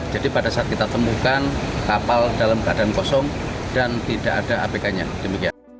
jadi pada saat kita temukan kapal dalam keadaan kosong dan tidak ada apk nya